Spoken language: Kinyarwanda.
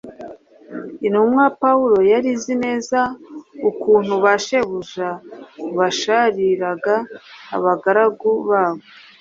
Intumwa Pawulo yari izi neza ukuntu ba shebuja bashaririraga abagaragu babo,